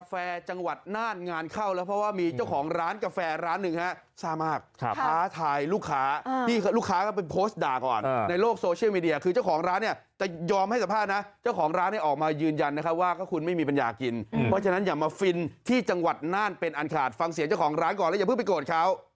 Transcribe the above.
แฟจังหวัดน่านงานเข้าแล้วเพราะว่ามีเจ้าของร้านกาแฟร้านนึง